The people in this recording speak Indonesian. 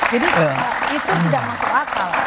itu tidak masuk akal